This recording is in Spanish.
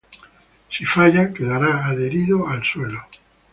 Si falla, quedara adherido al suelo.